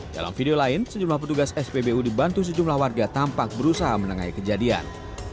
dalam video lain sejumlah petugas spbu dibantu sejumlah warga tampak berusaha menengahi kejadian